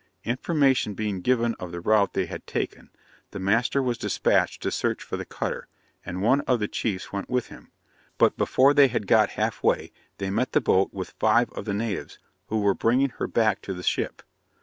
Information being given of the route they had taken, the master was dispatched to search for the cutter, and one of the chiefs went with him; but before they had got half way, they met the boat with five of the natives, who were bringing her back to the ship.